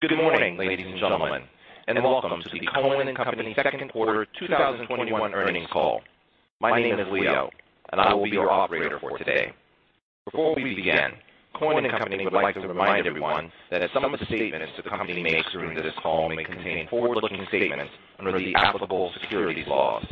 Good morning, ladies and gentlemen, and welcome to the Cohen & Company second quarter 2021 earnings call. My name is Leo, and I will be your operator for today. Before we begin, Cohen & Company would like to remind everyone that some of the statements the company makes during this call may contain forward-looking statements under the applicable securities laws.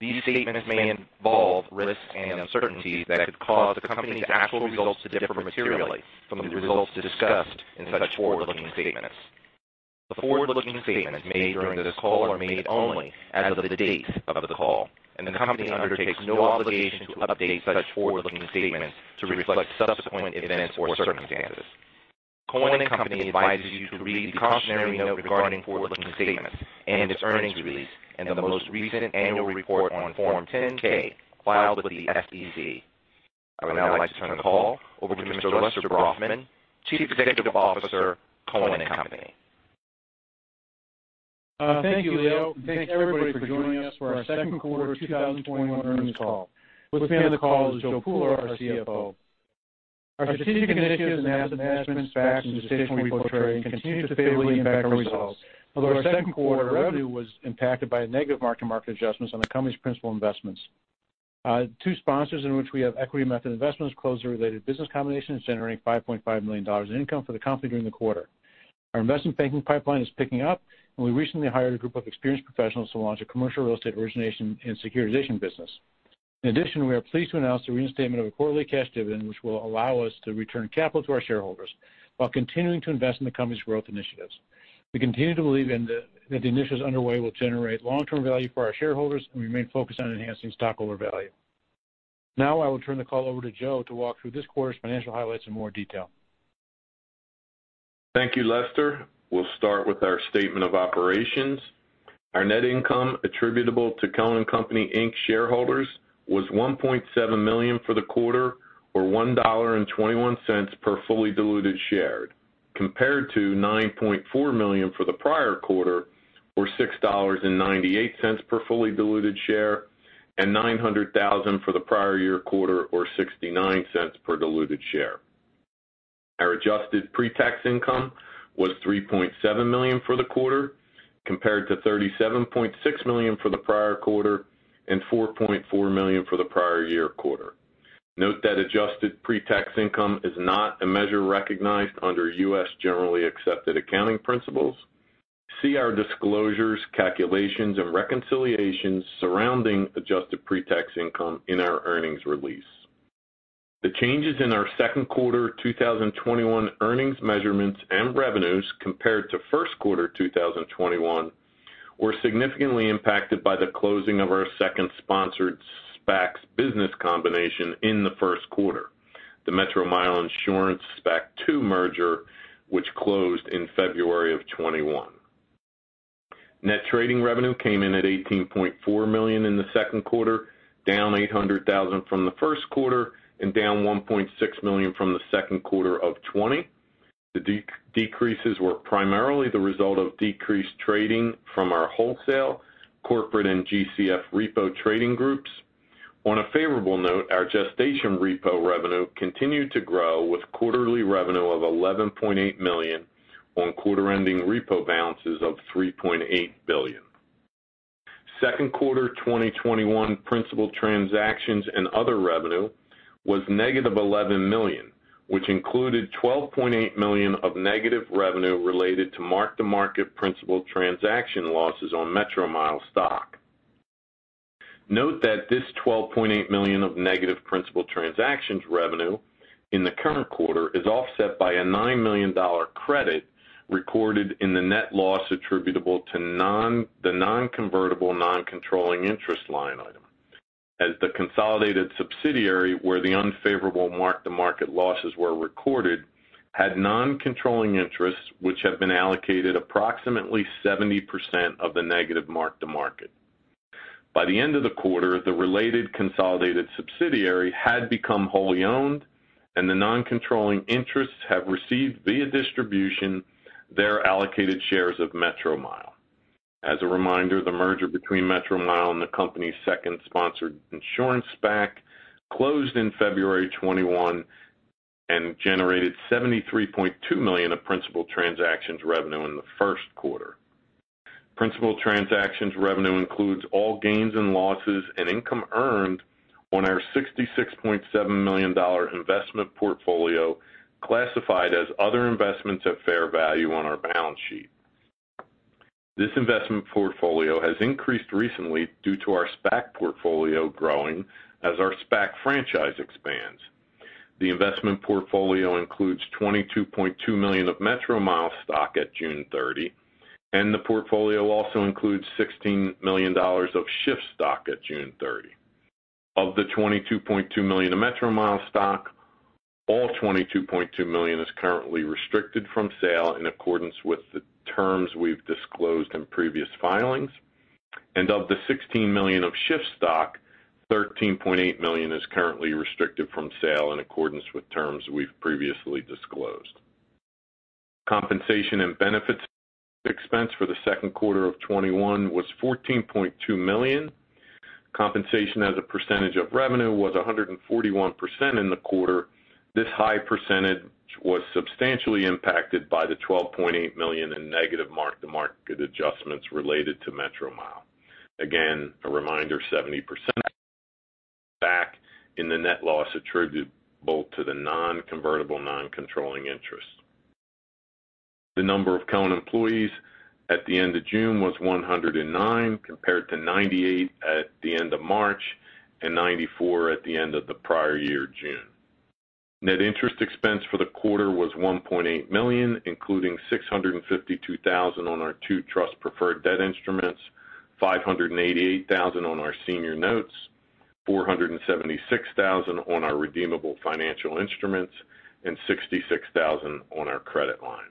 These statements may involve risks and uncertainties that could cause the company's actual results to differ materially from the results discussed in such forward-looking statements. The forward-looking statements made during this call are made only as of the date of the call, and the company undertakes no obligation to update such forward-looking statements to reflect subsequent events or circumstances. Cohen & Company advises you to read the cautionary note regarding forward-looking statements in its earnings release and the most recent annual report on Form 10-K filed with the SEC. I would now like to turn the call over to Mr. Lester Brafman, Chief Executive Officer, Cohen & Company. Thank you, Leo, and thanks everybody for joining us for our second quarter 2021 earnings call. With me on the call is Joe Pooler, our CFO. Our strategic initiatives, asset management, SPACs, and gestation repo trading continue to favorably impact our results. Although our second quarter revenue was impacted by a negative mark-to-market adjustments on the company's principal investments. Two sponsors in which we have equity method investments closed their related business combination, generating $5.5 million in income for the company during the quarter. Our investment banking pipeline is picking up, and we recently hired a group of experienced professionals to launch a commercial real estate origination and securitization business. In addition, we are pleased to announce the reinstatement of a quarterly cash dividend, which will allow us to return capital to our shareholders while continuing to invest in the company's growth initiatives. We continue to believe that the initiatives underway will generate long-term value for our shareholders, and we remain focused on enhancing stockholder value. I will turn the call over to Joe to walk through this quarter's financial highlights in more detail. Thank you, Lester. We'll start with our statement of operations. Our net income attributable to Cohen & Company Inc. shareholders was $1.7 million for the quarter, or $1.21 per fully diluted share, compared to $9.4 million for the prior quarter, or $6.98 per fully diluted share, and $900,000 for the prior year quarter, or $0.69 per diluted share. Our adjusted pre-tax income was $3.7 million for the quarter, compared to $37.6 million for the prior quarter and $4.4 million for the prior year quarter. Note that adjusted pre-tax income is not a measure recognized under U.S. Generally Accepted Accounting Principles. See our disclosures, calculations, and reconciliations surrounding adjusted pre-tax income in our earnings release. The changes in our second quarter 2021 earnings measurements and revenues compared to first quarter 2021 were significantly impacted by the closing of our second sponsored SPAC's business combination in the first quarter, the Metromile Insurance SPAC 2 merger, which closed in February of 2021. Net trading revenue came in at $18.4 million in the second quarter, down $800,000 from the first quarter and down $1.6 million from the second quarter of 2020. The decreases were primarily the result of decreased trading from our wholesale, corporate, and GCF Repo trading groups. On a favorable note, our gestation repo revenue continued to grow with quarterly revenue of $11.8 million on quarter-ending repo balances of $3.8 billion. Second quarter 2021 principal transactions and other revenue was -$11 million, which included $12.8 million of negative revenue related to mark-to-market principal transaction losses on Metromile stock. Note that this $12.8 million of negative principal transactions revenue in the current quarter is offset by a $9 million credit recorded in the net loss attributable to the non-convertible non-controlling interest line item, as the consolidated subsidiary where the unfavorable mark-to-market losses were recorded had non-controlling interests which have been allocated approximately 70% of the negative mark-to-market. By the end of the quarter, the related consolidated subsidiary had become wholly owned, and the non-controlling interests have received, via distribution, their allocated shares of Metromile. As a reminder, the merger between Metromile and the company's second sponsored insurance SPAC closed in February 2021 and generated $73.2 million of principal transactions revenue in the first quarter. Principal transactions revenue includes all gains and losses in income earned on our $66.7 million investment portfolio classified as other investments at fair value on our balance sheet. This investment portfolio has increased recently due to our SPAC portfolio growing as our SPAC franchise expands. The investment portfolio includes $22.2 million of Metromile stock at June 30, and the portfolio also includes $16 million of Shift stock at June 30. Of the $22.2 million of Metromile stock, all $22.2 million is currently restricted from sale in accordance with the terms we've disclosed in previous filings. Of the $16 million of Shift stock, $13.8 million is currently restricted from sale in accordance with terms we've previously disclosed. Compensation and benefits expense for the second quarter of 2021 was $14.2 million. Compensation as a percentage of revenue was 141% in the quarter. This high percentage was substantially impacted by the $12.8 million in negative mark-to-market adjustments related to Metromile. Again, a reminder, 70% back in the net loss attributable to the non-convertible non-controlling interest. The number of Cohen employees at the end of June was 109, compared to 98 at the end of March and 94 at the end of the prior year, June. Net interest expense for the quarter was $1.8 million, including $652,000 on our two trust preferred debt instruments, $588,000 on our senior notes, $476,000 on our redeemable financial instruments, and $66,000 on our credit line.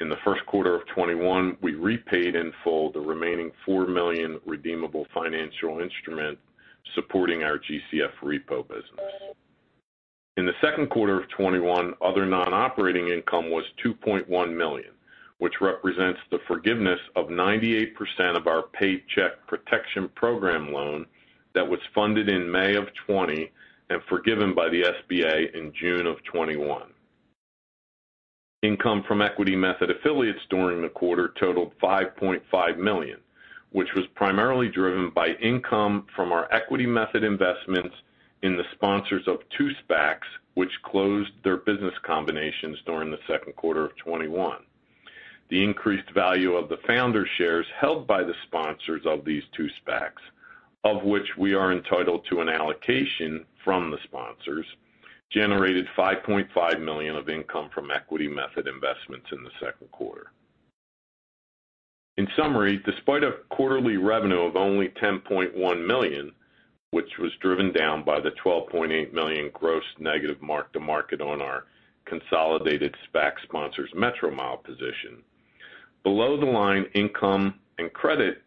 In the first quarter of 2021, we repaid in full the remaining $4 million redeemable financial instrument supporting our GCF Repo business. In the second quarter of 2021, other non-operating income was $2.1 million, which represents the forgiveness of 98% of our Paycheck Protection Program loan that was funded in May of 2020 and forgiven by the SBA in June of 2021. Income from equity method affiliates during the quarter totaled $5.5 million, which was primarily driven by income from our equity method investments in the sponsors of two SPACs, which closed their business combinations during the second quarter of 2021. The increased value of the founder shares held by the sponsors of these two SPACs, of which we are entitled to an allocation from the sponsors, generated $5.5 million of income from equity method investments in the second quarter. In summary, despite a quarterly revenue of only $10.1 million, which was driven down by the $12.8 million gross negative mark-to-market on our consolidated SPAC sponsor's Metromile position, below-the-line income and credit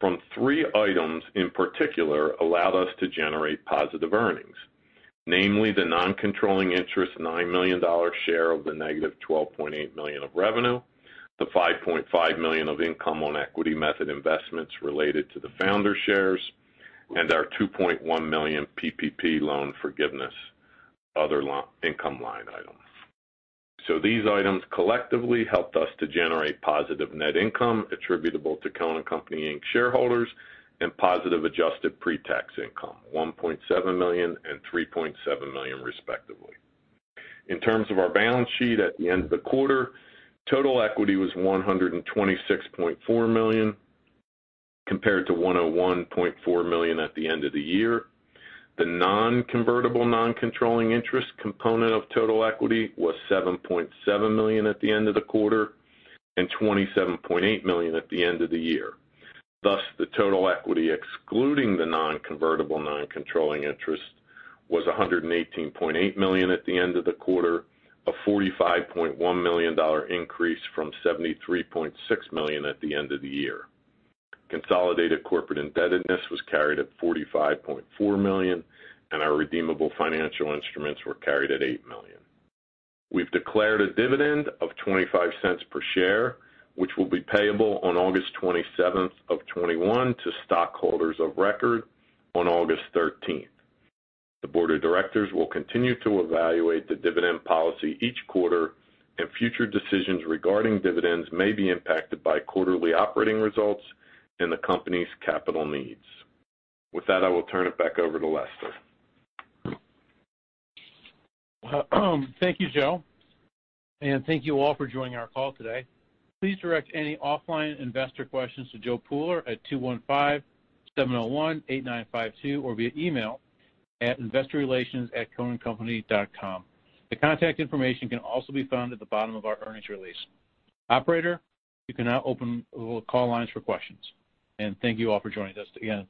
from three items in particular allowed us to generate positive earnings. The non-controlling interest $9 million share of the -$12.8 million of revenue, the $5.5 million of income on equity method investments related to the founder shares, and our $2.1 million PPP loan forgiveness other income line item. These items collectively helped us to generate positive net income attributable to Cohen & Company Inc. shareholders and positive adjusted pre-tax income, $1.7 million and $3.7 million, respectively. In terms of our balance sheet at the end of the quarter, total equity was $126.4 million, compared to $101.4 million at the end of the year. The non-convertible non-controlling interest component of total equity was $7.7 million at the end of the quarter and $27.8 million at the end of the year. The total equity excluding the non-convertible non-controlling interest was $118.8 million at the end of the quarter, a $45.1 million increase from $73.6 million at the end of the year. Consolidated corporate indebtedness was carried at $45.4 million, and our redeemable financial instruments were carried at $8 million. We've declared a dividend of $0.25 per share, which will be payable on August 27th, 2021 to stockholders of record on August 13th. The board of directors will continue to evaluate the dividend policy each quarter, and future decisions regarding dividends may be impacted by quarterly operating results and the company's capital needs. With that, I will turn it back over to Lester. Thank you, Joe. Thank you all for joining our call today. Please direct any offline investor questions to Joe Pooler at 215-701-8952 or via email at investorrelations@cohenandcompany.com. The contact information can also be found at the bottom of our earnings release. Operator, you can now open the call lines for questions. Thank you all for joining us today.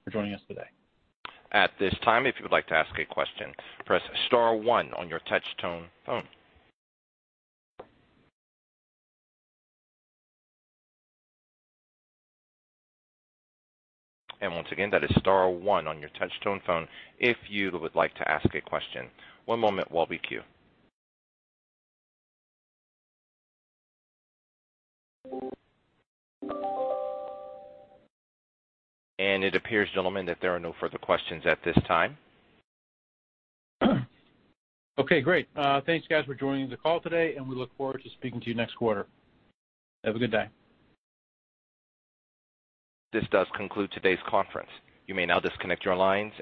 It appears, gentlemen, that there are no further questions at this time. Okay, great. Thanks, guys, for joining the call today, and we look forward to speaking to you next quarter. Have a good day. This does conclude today's conference. You may now disconnect your lines.